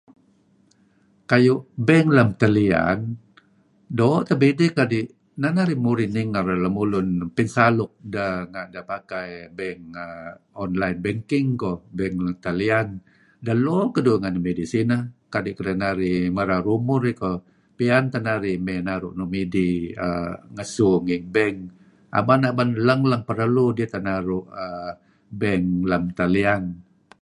Kayu' bank lem talian doo' tebe' idih kadi', neh narih murih ninger lemulun pinsaluk deh renga' deh pakai err online banking koh , bank lem talian. Delo keduih ngen nuk midih sineh kadi kedinarih merar umur eh koh, piyan teh narih naru' nuk midih ngesu ngi bank, aban men leng-leng perlu dih tejhnaru' bank lem talian.